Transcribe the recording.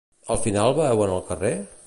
Al final beuen al carrer?